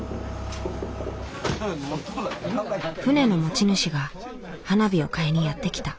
船の持ち主が花火を買いにやって来た。